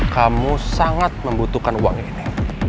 kamu sangat membutuhkan uang ini